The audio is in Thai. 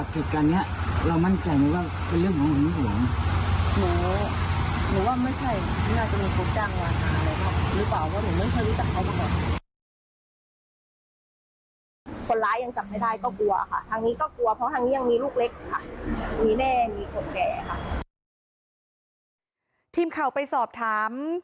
ทีมข่าวไปสอบถาม